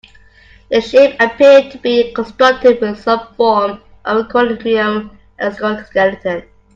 The ship appeared to be constructed with some form of chromium exoskeleton.